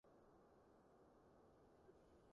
藏而不現，常隱遁於六儀